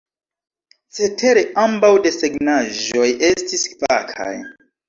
Cetere ambaŭ desegnaĵoj estis vakaj.